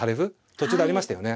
途中でありましたよね。